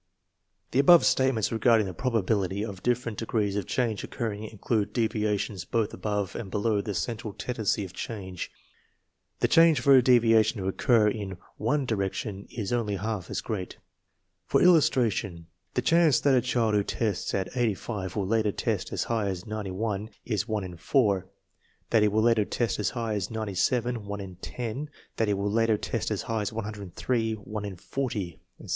The above statements regarding the probability of different degrees of change occurring include devia tions both above and below the central tendency of change. The chance for a deviation to occur in one di rection isonly half as great. For illustration, the chance that a child who tests at 85 will later test as high as 91 is one in four; that he will later test as high as 97, one in ten; that he will later test as high as 103, one in forty, etc.